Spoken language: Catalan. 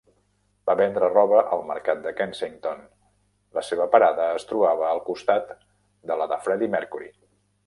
Va vendre roba al mercat de Kensington; la seva parada es trobava al costat de la de Freddie Mercury.